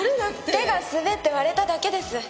手が滑って割れただけです。